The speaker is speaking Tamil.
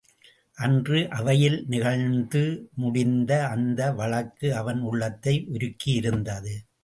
அன்று அவையில் நிகழ்ந்து முடிந்த அந்த வழக்கு அவன் உள்ளத்தை உருக்கியிருந்தது.